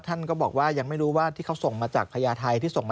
มันจะปั้นพูดไม่ถูกอ่ะมันไม่ใช่ความจริงอ่ะ